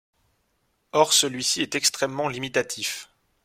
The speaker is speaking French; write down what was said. Or celui-ci est extrêmement limitatif.